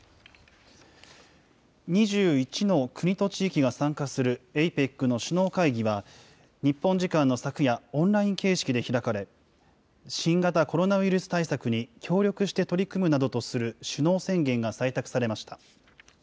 ２１の国と地域が参加するＡＰＥＣの首脳会議は、日本時間の昨夜、オンライン形式で開かれ、新型コロナウイルス対策に協力して取り組むなどとする首脳宣言が採択されました。